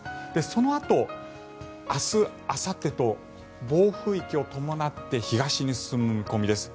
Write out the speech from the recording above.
そのあと、明日あさってと暴風域を伴って東に進む見込みです。